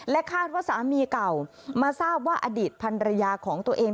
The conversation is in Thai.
คาดว่าสามีเก่ามาทราบว่าอดีตพันรยาของตัวเอง